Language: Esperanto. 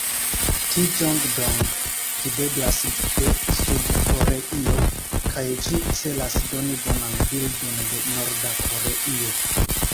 Kijong-dong videblas de Sud-Koreio kaj ĝi celas doni bonan bildon de Norda Koreio.